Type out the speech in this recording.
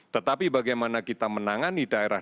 tetapi bagaimana kita menangani daerah